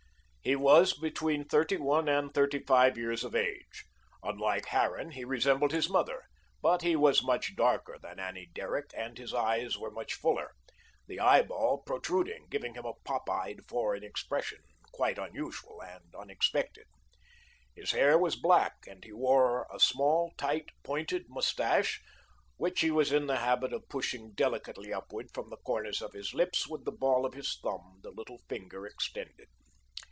He was between thirty one and thirty five years of age. Unlike Harran, he resembled his mother, but he was much darker than Annie Derrick and his eyes were much fuller, the eyeball protruding, giving him a pop eyed, foreign expression, quite unusual and unexpected. His hair was black, and he wore a small, tight, pointed mustache, which he was in the habit of pushing delicately upward from the corners of his lips with the ball of his thumb, the little finger extended.